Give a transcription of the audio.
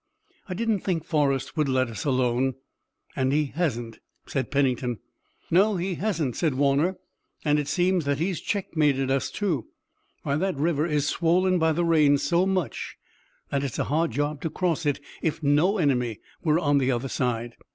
"I didn't think Forrest would let us alone, and he hasn't," said Pennington. "No, he hasn't," said Warner, "and it seems that he's checkmated us, too. Why, that river is swollen by the rains so much that it's a hard job to cross it if no enemy were on the other side.